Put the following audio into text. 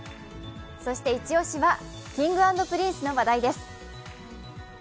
そしてイチ押しはＫｉｎｇ＆Ｐｒｉｎｃｅの話題です。